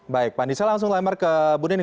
baik pandisa langsung lemar ke mbak nining